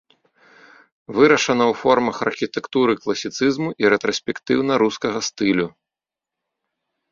Вырашана ў формах архітэктуры класіцызму і рэтраспектыўна-рускага стылю.